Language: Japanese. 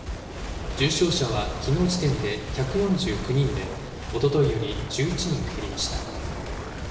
重症者はきのう時点で１４９人で、おとといより１１人減りました。